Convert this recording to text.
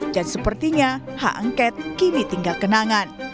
dan sepertinya h angket kini tinggal kenangan